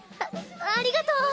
あありがとう。